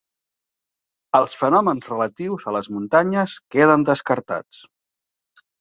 Els fenòmens relatius a les muntanyes queden descartats.